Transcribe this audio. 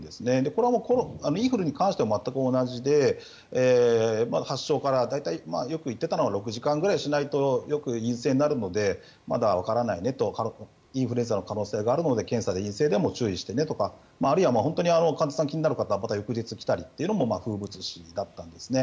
これはインフルに関しては全く同じで大体よく言っていたのは発症から６時間ぐらいしないとよく陰性になるのでまだわからないねとインフルエンザの可能性があるので検査で陰性でも注意してねとかあるいは患者さん、気になる方は翌日来たりというのも風物詩だったんですね。